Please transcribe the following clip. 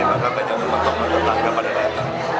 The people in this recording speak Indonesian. maka banyak teman teman tetangga pada daerah